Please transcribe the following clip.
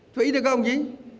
thuỷ thế không chí